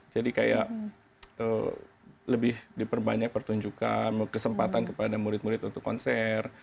jadi kayak lebih diperbanyak pertunjukan kesempatan kepada murid murid untuk konser